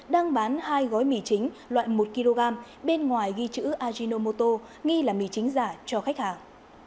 đang bán hai gói mì chính loại một kg bên ngoài ghi chữ ajinomoto nghi là mì chính giả cho khách hàng